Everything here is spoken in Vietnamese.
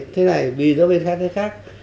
thế này vì giáo viên khác thế khác